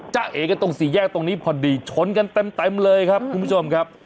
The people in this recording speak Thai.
เอกันตรงสี่แยกตรงนี้พอดีชนกันเต็มเลยครับคุณผู้ชมครับ